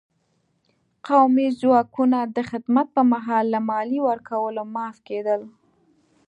قومي ځواکونه د خدمت په مهال له مالیې ورکولو معاف کېدل.